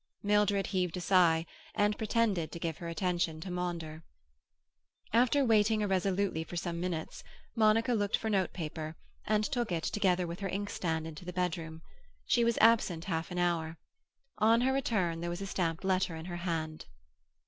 Mildred heaved a sigh, and pretended to give her attention to Maunder. After waiting irresolutely for some minutes, Monica looked for notepaper, and took it, together with her inkstand, into the bedroom. She was absent half an hour. On her return there was a stamped letter in her hand.